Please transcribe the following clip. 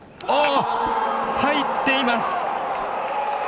入っています！